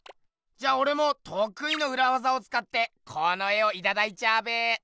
じゃあおれもとくいのうらわざをつかってこの絵をいただいちゃうべ！